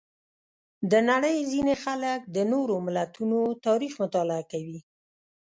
د نړۍ ځینې خلک د نورو ملتونو تاریخ مطالعه کوي.